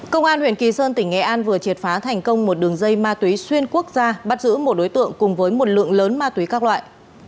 công an huyện kỳ sơn tỉnh nghệ an vừa triệt phá thành công một đường dây ma túy xuyên quốc gia bắt giữ một đối tượng cùng với một lượng lớn ma túy các loại